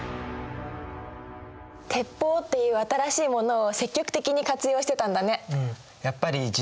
鉄砲っていう新しいものを積極的に活用してたんだね。